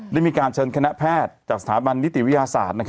ได้มีการเชิญคณะแพทย์จากสถาบันนิติวิทยาศาสตร์